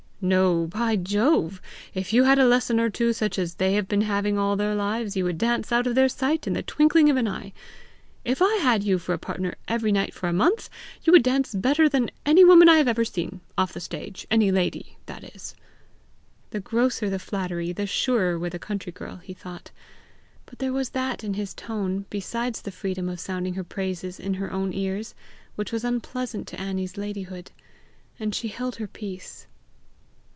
"No, by Jove! If you had a lesson or two such as they have been having all their lives, you would dance out of their sight in the twinkling of an eye. If I had you for a partner every night for a month, you would dance better than any woman I have ever seen off the stage any lady, that is." The grosser the flattery, the surer with a country girl, he thought. But there was that in his tone, besides the freedom of sounding her praises in her own ears, which was unpleasing to Annie's ladyhood, and she held her peace.